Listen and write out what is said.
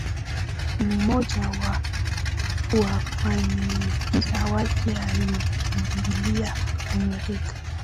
mmoja wa wafanyikazi wake alikimbilia amerika